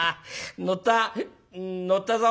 乗った乗ったぞ」。